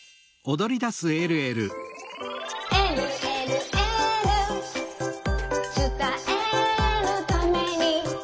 「えるえるエール」「つたえるために」